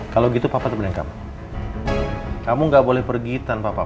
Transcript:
kalau gitu papa temen kamu kamu nggak boleh pergi tanpa papa